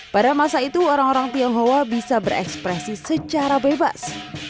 pada masa itu orang orang tionghoa bisa berekspresi secara bebas